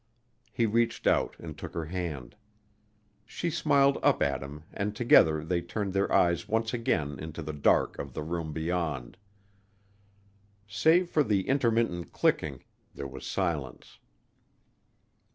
He reached out and took her hand. She smiled up at him and together they turned their eyes once again into the dark of the room beyond. Save for the intermittent clicking, there was silence.